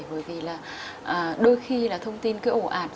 bởi vì là đôi khi là thông tin cứ ổ ạt